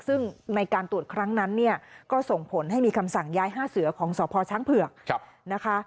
ซึ่งในการตรวจครั้งนั้นเนี่ยก็ส่งผลให้มีคำสั่งย้าย๕เสือของสพช้างเผือกนะคะ